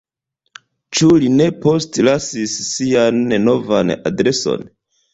Ĉu li ne postlasis sian novan adreson?